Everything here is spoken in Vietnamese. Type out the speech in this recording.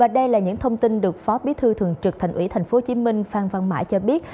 đây là những thông tin được phó bí thư thường trực thành ủy tp hcm phan văn mãi cho biết